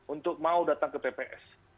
untuk mau datang ke tps